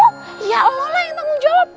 ya allah lah yang tanggung jawab